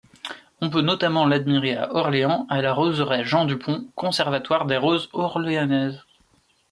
On peut notamment l'admirer à Orléans, à la roseraie Jean-Dupont, conservatoire des roses orléanaises.